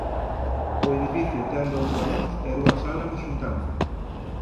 O edificio ten dous salóns e dúas salas de xuntanza.